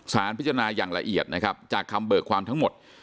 สารพิจารณาอย่างละเอียดจากคำเบิกความทั้งหมด